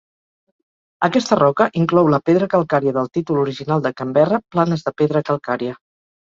Aquesta roca inclou la pedra calcària del títol original de Canberra "Planes de pedra calcària".